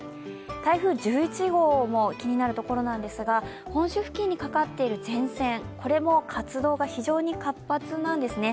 台風１１号も気になるところなんですが本州付近にかかっている前線、これも活動が非常に活発なんですね。